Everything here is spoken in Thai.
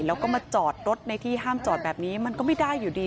แล้วก็มาจอดรถในที่ห้ามจอดแบบนี้มันก็ไม่ได้อยู่ดี